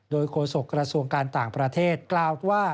โดยโคสุกรัศวงร์การต่างประเทศกล่าวว่า